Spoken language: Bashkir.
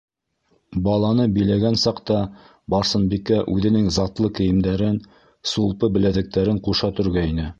Баланы биләгән саҡта Барсынбикә үҙенең затлы кейемдәрен, сулпы-беләҙектәрен ҡуша төргәйне.